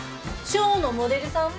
ショーのモデルさん？